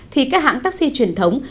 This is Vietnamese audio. thì các hãng taxi truyền thống